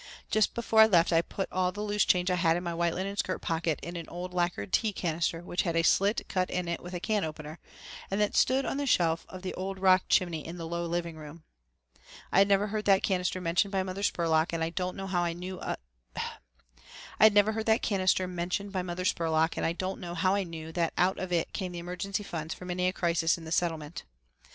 Just before I left I put all the loose change I had in my white linen skirt pocket in an old lacquered tea canister which had a slit in it cut with a can opener, and that stood on the shelf of the old rock chimney in the low living room. I had never heard that canister mentioned by Mother Spurlock and I don't know how I knew that out of it came the emergency funds for many a crisis in the Settlement.